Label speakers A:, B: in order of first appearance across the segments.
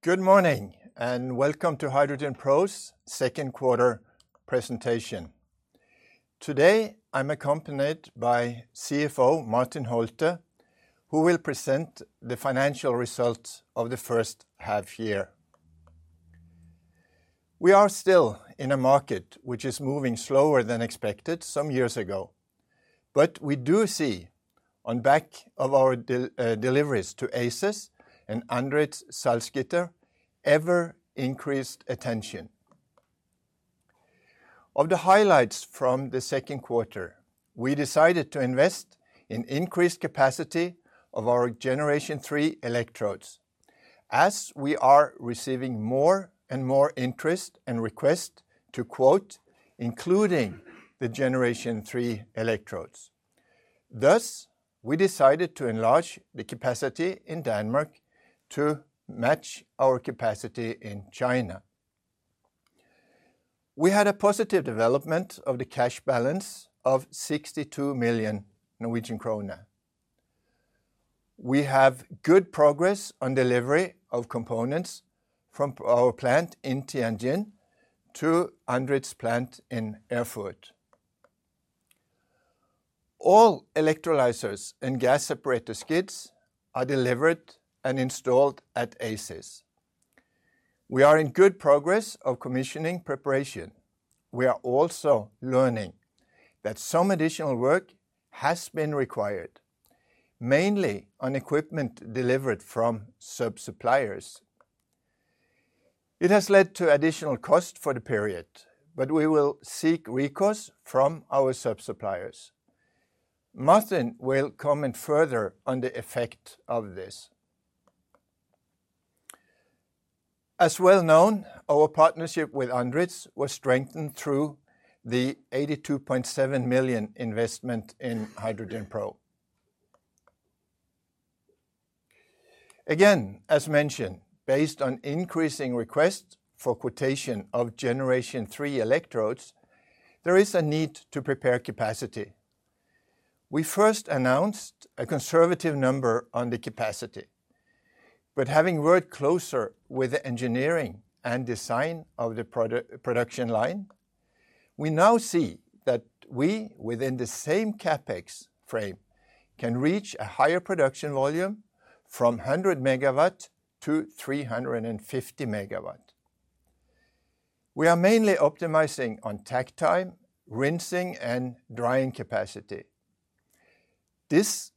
A: Good morning, and welcome to HydrogenPro's second quarter presentation. Today, I'm accompanied by CFO Martin Holte, who will present the financial results of the first half year. We are still in a market which is moving slower than expected some years ago, but we do see on back of our deliveries to ACES and Andritz Salzgitter ever increased attention. Of the highlights from the second quarter, we decided to invest in increased capacity of our Generation 3 electrodes, as we are receiving more and more interest and request to quote, including the Generation 3 electrodes. Thus, we decided to enlarge the capacity in Denmark to match our capacity in China. We had a positive development of the cash balance of 62 million Norwegian kroner. We have good progress on delivery of components from our plant in Tianjin to Andritz plant in Erfurt. All electrolyzers and gas separation skids are delivered and installed at ACES. We are in good progress of commissioning preparation. We are also learning that some additional work has been required, mainly on equipment delivered from sub-suppliers. It has led to additional cost for the period, but we will seek recourse from our sub-suppliers. Martin will comment further on the effect of this. As well known, our partnership with Andritz was strengthened through the 82.7 million investment in HydrogenPro. Again, as mentioned, based on increasing requests for quotation of Generation 3 electrodes, there is a need to prepare capacity. We first announced a conservative number on the capacity, but having worked closer with the engineering and design of the production line, we now see that we, within the same CapEx frame, can reach a higher production volume from 100 MW to 350 MW. We are mainly optimizing on takt time, rinsing, and drying capacity. This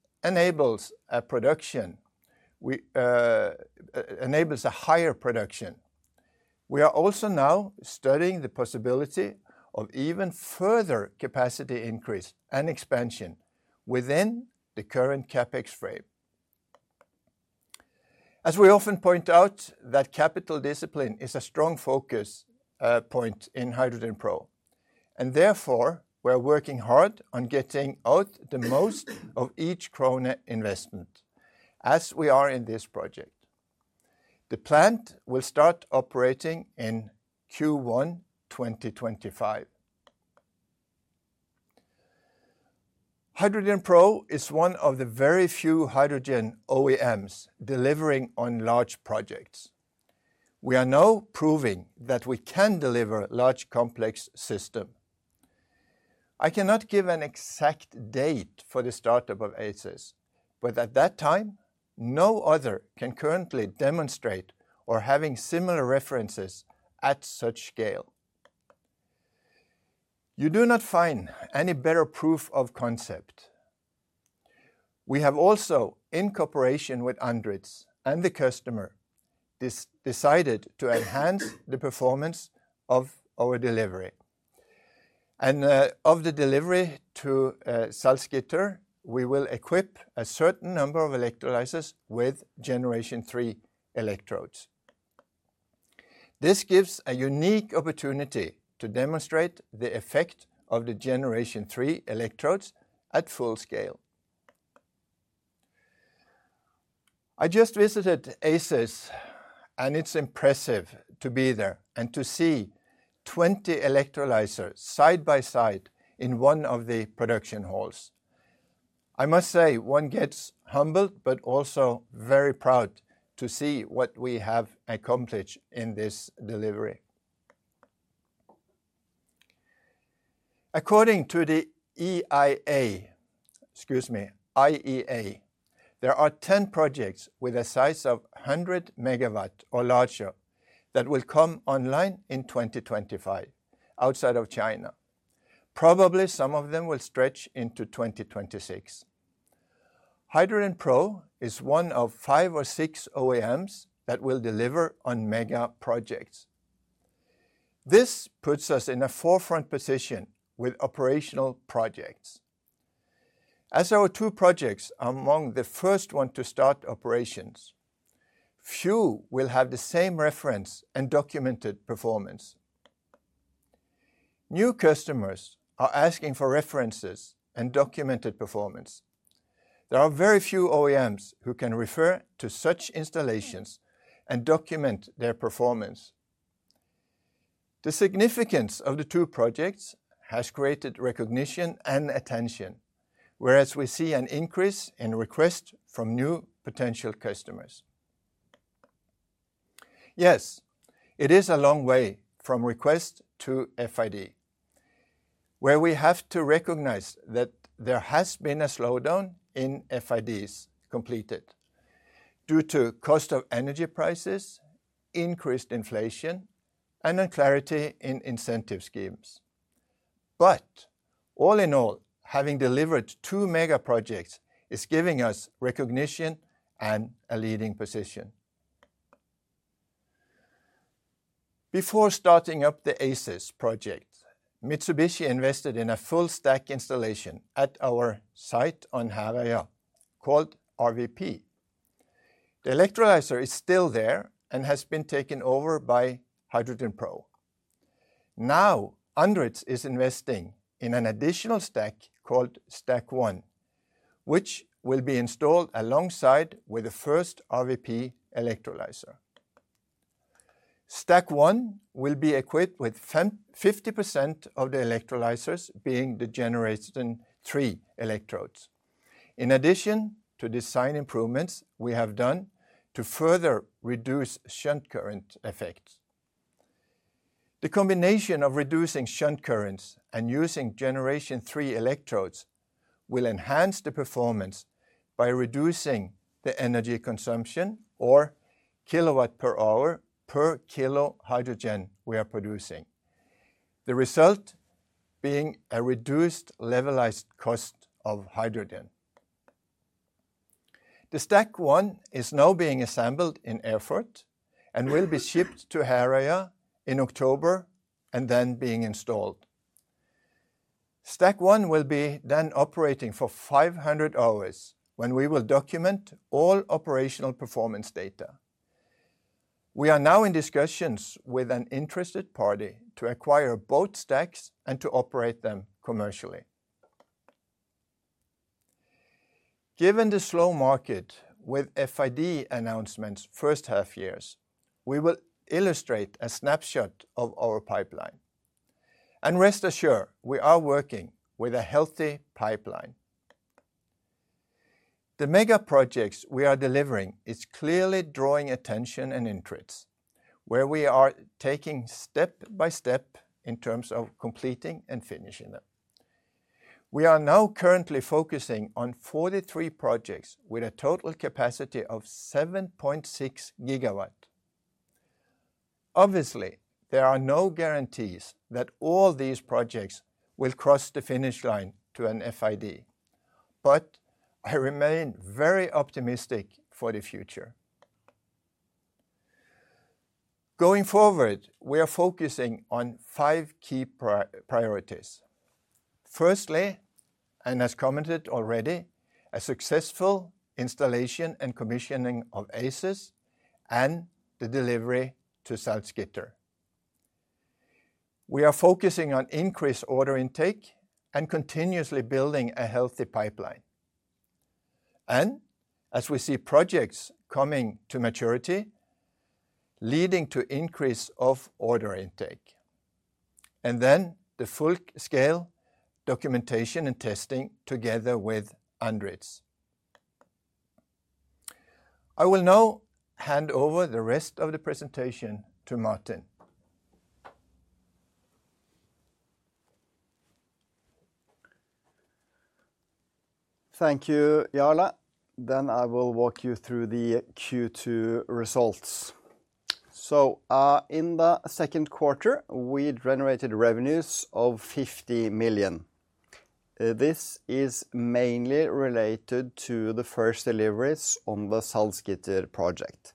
A: enables a higher production. We are also now studying the possibility of even further capacity increase and expansion within the current CapEx frame. As we often point out, that capital discipline is a strong focus, point in HydrogenPro, and therefore, we're working hard on getting out the most of each kroner investment, as we are in this project. The plant will start operating in Q1, 2025. HydrogenPro is one of the very few hydrogen OEMs delivering on large projects. We are now proving that we can deliver large complex system. I cannot give an exact date for the start-up of ACES, but at that time, no other can currently demonstrate or having similar references at such scale. You do not find any better proof of concept. We have also, in cooperation with Andritz and the customer, decided to enhance the performance of our delivery and of the delivery to Salzgitter, we will equip a certain number of electrolyzers with Generation 3 electrodes. This gives a unique opportunity to demonstrate the effect of the Generation 3 electrodes at full scale. I just visited ACES, and it's impressive to be there and to see 20 electrolyzers side by side in one of the production halls. I must say, one gets humbled but also very proud to see what we have accomplished in this delivery. According to the EIA, excuse me, IEA, there are 10 projects with a size of 100 MW or larger that will come online in 2025, outside of China. Probably, some of them will stretch into 2026. HydrogenPro is one of five or six OEMs that will deliver on mega projects. This puts us in a forefront position with operational projects. As our two projects are among the first one to start operations, few will have the same reference and documented performance. New customers are asking for references and documented performance. There are very few OEMs who can refer to such installations and document their performance. The significance of the two projects has created recognition and attention, whereas we see an increase in requests from new potential customers. Yes, it is a long way from request to FID, where we have to recognize that there has been a slowdown in FIDs completed due to cost of energy prices, increased inflation, and unclarity in incentive schemes. But all in all, having delivered two mega projects is giving us recognition and a leading position. Before starting up the ACES project, Mitsubishi invested in a full stack installation at our site on Herøya, called our VP. The electrolyzer is still there and has been taken over by HydrogenPro. Now, Andritz is investing in an additional stack called Stack One, which will be installed alongside with the first our VP electrolyzer. Stack One will be equipped with 50% of the electrolyzers being the Generation 3 electrodes. In addition to design improvements we have done to further reduce shunt current effects. The combination of reducing shunt currents and using Generation 3 electrodes will enhance the performance by reducing the energy consumption or kilowatt-hour per kilo hydrogen we are producing. The result being a reduced levelized cost of hydrogen. The Stack One is now being assembled in Erfurt and will be shipped to Herøya in October, and then being installed. Stack One will be then operating for 500 hours, when we will document all operational performance data. We are now in discussions with an interested party to acquire both stacks and to operate them commercially. Given the slow market with FID announcements first half years, we will illustrate a snapshot of our pipeline. And rest assured, we are working with a healthy pipeline. The mega projects we are delivering is clearly drawing attention and interest, where we are taking step by step in terms of completing and finishing them. We are now currently focusing on 43 projects with a total capacity of 7.6 GW. Obviously, there are no guarantees that all these projects will cross the finish line to an FID, but I remain very optimistic for the future. Going forward, we are focusing on five key priorities. Firstly, and as commented already, a successful installation and commissioning of ACES and the delivery to Salzgitter. We are focusing on increased order intake and continuously building a healthy pipeline. And as we see projects coming to maturity, leading to increase of order intake, and then the full scale documentation and testing together with Andritz. I will now hand over the rest of the presentation to Martin.
B: Thank you, Jarle. Then I will walk you through the Q2 results. So, in the second quarter, we generated revenues of 50 million. This is mainly related to the first deliveries on the Salzgitter project.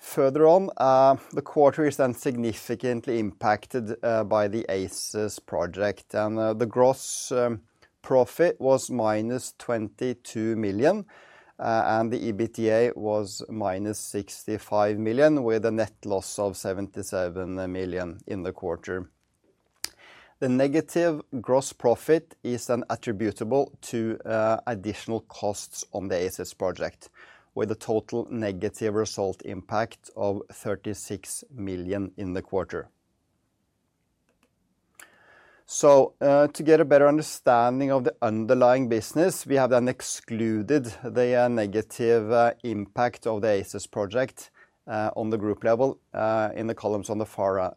B: Further on, the quarter is then significantly impacted by the ACES project, and the gross profit was -22 million, and the EBITDA was -65 million, with a net loss of 77 million in the quarter. The negative gross profit is then attributable to additional costs on the ACES project, with a total negative result impact of 36 million in the quarter. So, to get a better understanding of the underlying business, we have then excluded the negative impact of the ACES project on the group level in the columns on the far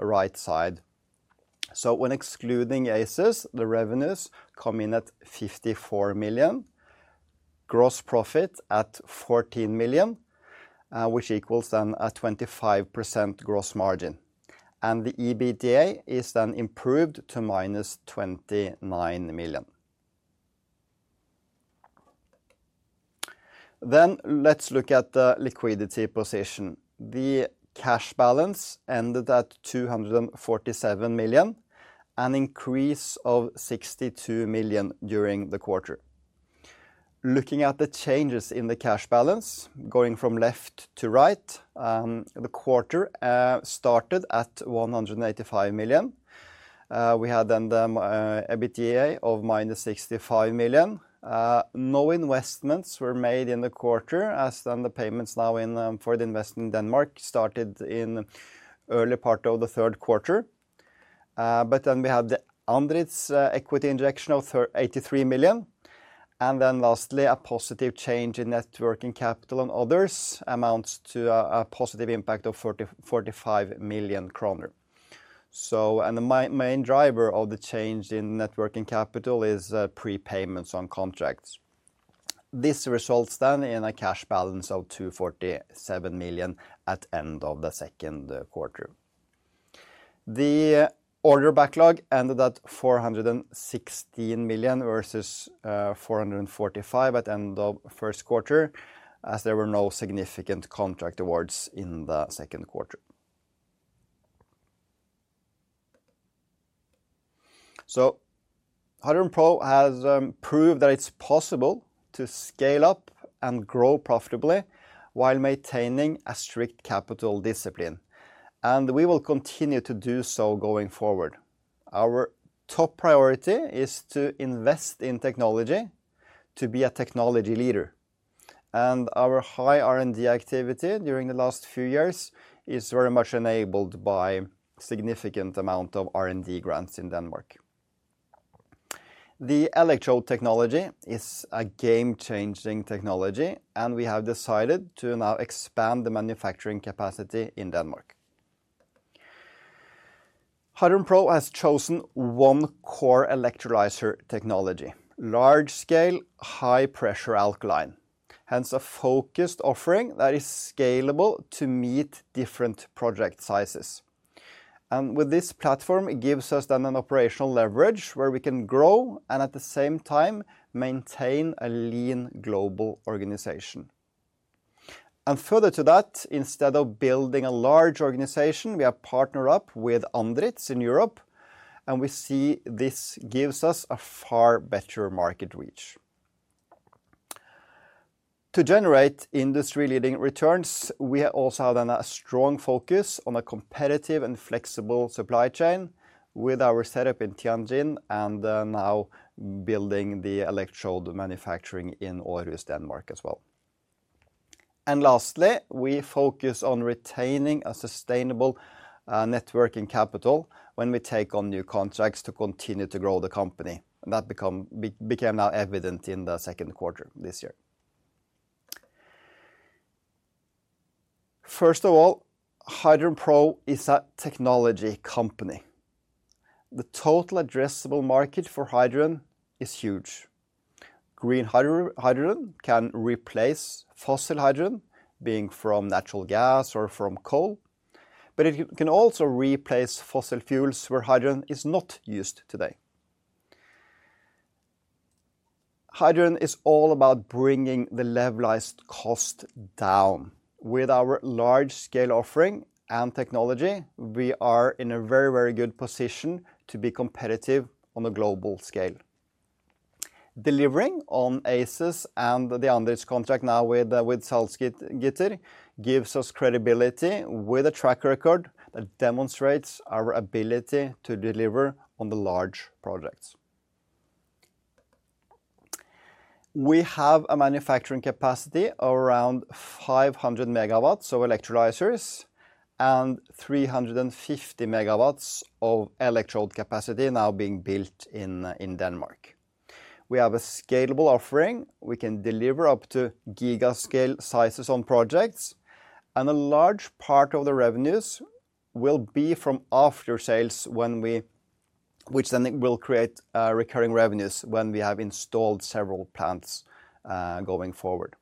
B: right side. When excluding ACES, the revenues come in at 54 million, gross profit at 14 million, which equals then a 25% gross margin, and the EBITDA is then improved to -29 million. Let's look at the liquidity position. The cash balance ended at 247 million, an increase of 62 million during the quarter. Looking at the changes in the cash balance, going from left to right, the quarter started at 185 million. We had the EBITDA of -65 million. No investments were made in the quarter, as the payments now in for the investment in Denmark started in early part of the third quarter. But we had the Andritz equity injection of 83 million. And then lastly, a positive change in net working capital and others amounts to a positive impact of 45 million kroner. And the main driver of the change in net working capital is prepayments on contracts. This results then in a cash balance of 247 million NOK at end of the second quarter. The order backlog ended at 416 million NOK versus 445 million NOK at end of first quarter, as there were no significant contract awards in the second quarter. So, HydrogenPro has proved that it's possible to scale up and grow profitably while maintaining a strict capital discipline, and we will continue to do so going forward. Our top priority is to invest in technology, to be a technology leader, and our high R&D activity during the last few years is very much enabled by significant amount of R&D grants in Denmark. The electrode technology is a game-changing technology, and we have decided to now expand the manufacturing capacity in Denmark. HydrogenPro has chosen one core electrolyzer technology, large-scale, high-pressure alkaline, hence a focused offering that is scalable to meet different project sizes, and with this platform, it gives us then an operational leverage where we can grow and, at the same time, maintain a lean global organization, and further to that, instead of building a large organization, we have partnered up with Andritz in Europe, and we see this gives us a far better market reach. To generate industry-leading returns, we also have then a strong focus on a competitive and flexible supply chain with our setup in Tianjin and then now building the electrode manufacturing in Aarhus, Denmark, as well. Lastly, we focus on retaining a sustainable net working capital when we take on new contracts to continue to grow the company, and that became now evident in the second quarter this year. First of all, HydrogenPro is a technology company. The total addressable market for hydrogen is huge. Green hydrogen can replace fossil hydrogen, being from natural gas or from coal, but it can also replace fossil fuels where hydrogen is not used today. Hydrogen is all about bringing the levelized cost down. With our large-scale offering and technology, we are in a very, very good position to be competitive on a global scale. Delivering on ACES and the Andritz contract now with Salzgitter gives us credibility with a track record that demonstrates our ability to deliver on the large projects. We have a manufacturing capacity of around 500 MW of electrolyzers and 350 MW of electrode capacity now being built in Denmark. We have a scalable offering. We can deliver up to giga-scale sizes on projects, and a large part of the revenues will be from after-sales when we... which then will create recurring revenues when we have installed several plants going forward.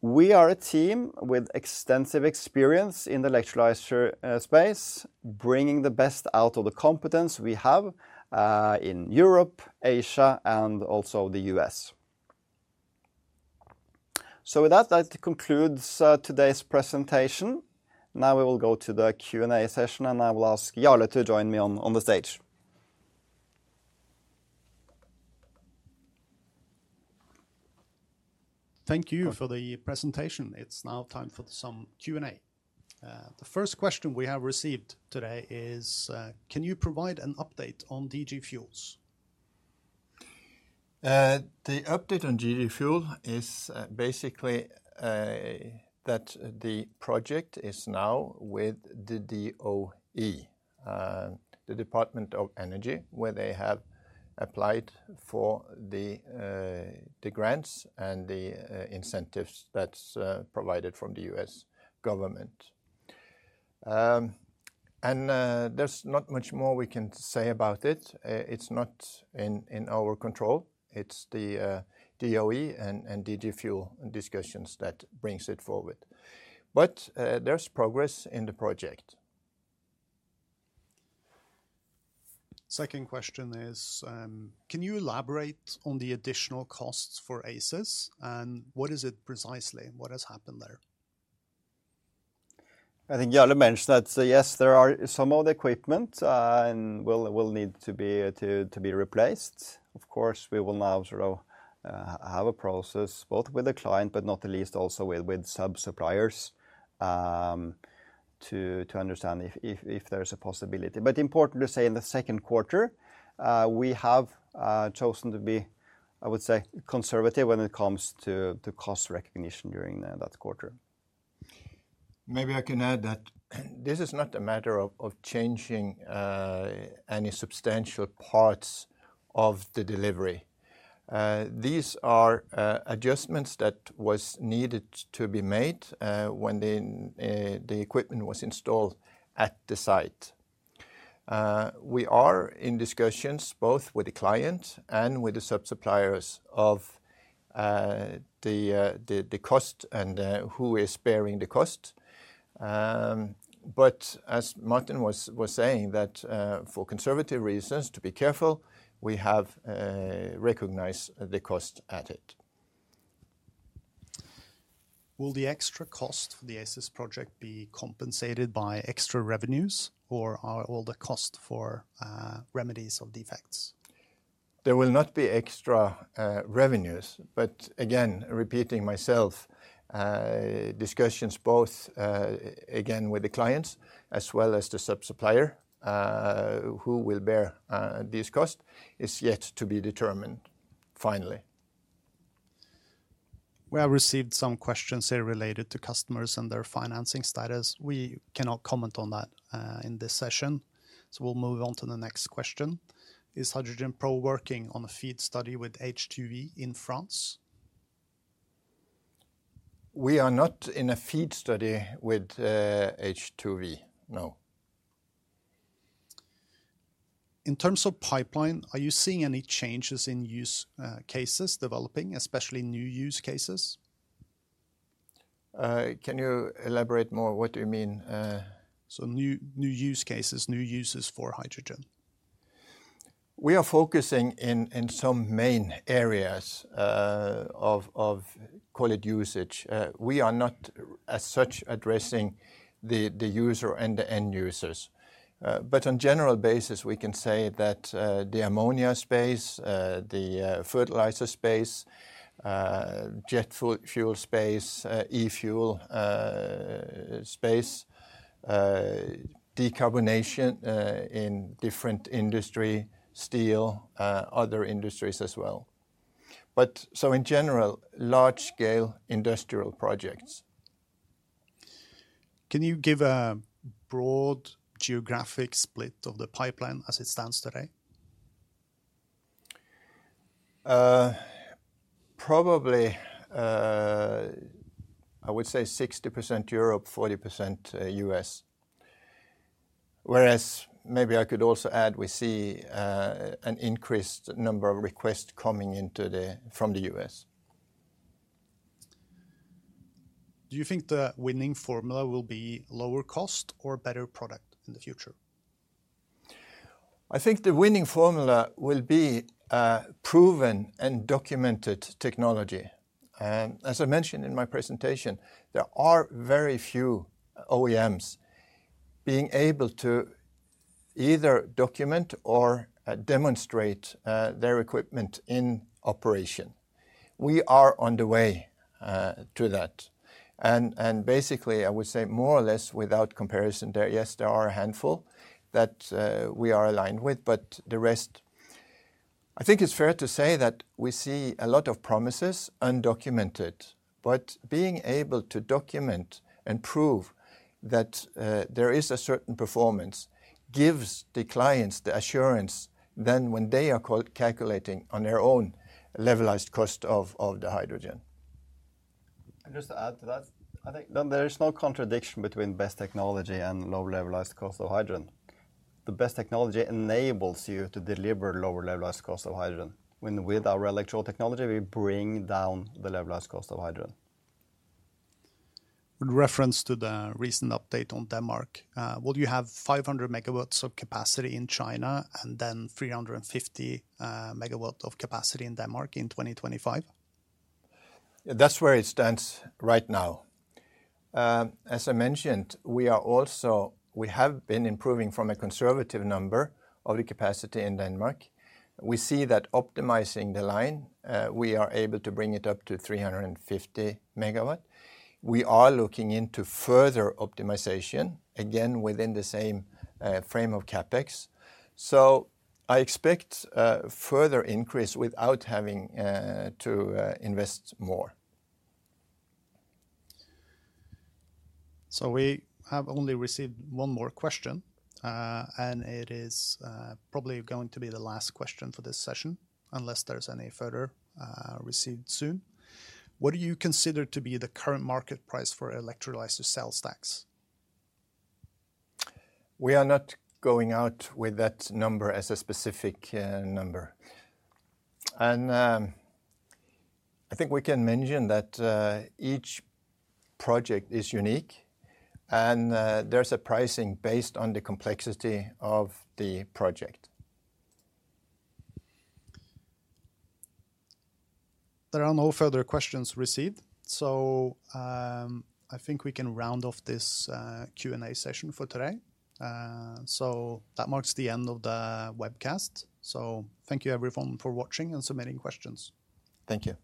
B: We are a team with extensive experience in the electrolyzer space, bringing the best out of the competence we have in Europe, Asia, and also the U.S. So with that, that concludes today's presentation. Now we will go to the Q&A session, and I will ask Jarle to join me on the stage.
C: Thank you for the presentation. It's now time for some Q&A. The first question we have received today is, "Can you provide an update on DG Fuels?
A: The update on DG Fuels is basically that the project is now with the DOE, the Department of Energy, where they have applied for the grants and the incentives that's provided from the U.S. government, and there's not much more we can say about it. It's not in our control. It's the DOE and DG Fuels discussions that brings it forward. But there's progress in the project.
C: Second question is: "Can you elaborate on the additional costs for ACES, and what is it precisely? What has happened there?
B: I think Jarle mentioned that, so yes, there are some of the equipment, and will need to be replaced. Of course, we will now sort of have a process both with the client, but not the least also with sub-suppliers, to understand if there is a possibility. But important to say, in the second quarter, we have chosen to be, I would say, conservative when it comes to the cost recognition during that quarter.
A: Maybe I can add that this is not a matter of changing any substantial parts of the delivery. These are adjustments that was needed to be made when the equipment was installed at the site. We are in discussions both with the client and with the sub-suppliers of the cost and who is bearing the cost. But as Martin was saying, that for conservative reasons, to be careful, we have recognized the cost added.
C: Will the extra cost for the ACES project be compensated by extra revenues, or are all the cost for remedies of defects?
A: There will not be extra revenues, but again, repeating myself, discussions both again with the clients as well as the sub-supplier who will bear these costs is yet to be determined finally.
C: We have received some questions here related to customers and their financing status. We cannot comment on that, in this session, so we'll move on to the next question: Is HydrogenPro working on a FEED study with H2V in France?
A: We are not in a FEED study with H2V, no.
C: In terms of pipeline, are you seeing any changes in use cases developing, especially new use cases?
A: Can you elaborate more? What do you mean?
C: New use cases, new uses for hydrogen.
A: We are focusing in some main areas of call it usage. We are not, as such, addressing the user and the end users. But on general basis, we can say that the ammonia space, the fertilizer space, jet fuel, fuel space, e-fuel space, decarbonization in different industry, steel, other industries as well. But so in general, large-scale industrial projects.
C: Can you give a broad geographic split of the pipeline as it stands today?
A: Probably, I would say 60% Europe, 40% U.S. Whereas maybe I could also add, we see an increased number of requests coming into the... from the U.S.
C: Do you think the winning formula will be lower cost or better product in the future?
A: I think the winning formula will be proven and documented technology. As I mentioned in my presentation, there are very few OEMs being able to either document or demonstrate their equipment in operation. We are on the way to that, and basically, I would say more or less without comparison there. Yes, there are a handful that we are aligned with, but the rest, I think it's fair to say that we see a lot of promises undocumented, but being able to document and prove that there is a certain performance, gives the clients the assurance that when they are calculating on their own levelized cost of the hydrogen.
B: Just to add to that, I think there is no contradiction between best technology and low Levelized Cost of Hydrogen. The best technology enables you to deliver lower Levelized Cost of Hydrogen. When, with our electrolyzer technology, we bring down the Levelized Cost of Hydrogen.
C: With reference to the recent update on Denmark, will you have 500 MW of capacity in China and then 350 MW of capacity in Denmark in 2025?
A: That's where it stands right now. As I mentioned, we have also been improving from a conservative number of the capacity in Denmark. We see that optimizing the line, we are able to bring it up to 350 MW. We are looking into further optimization, again, within the same frame of CapEx. So I expect further increase without having to invest more.
C: We have only received one more question, and it is probably going to be the last question for this session, unless there is any further received soon. What do you consider to be the current market price for electrolyzer cell stacks?
A: We are not going out with that number as a specific number. I think we can mention that each project is unique, and there's a pricing based on the complexity of the project.
C: There are no further questions received, so I think we can round off this Q&A session for today. So that marks the end of the webcast. So thank you everyone for watching and submitting questions.
A: Thank you.